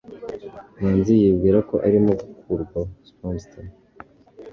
manzi yibwira ko arimo gukurwaho. (Spamster)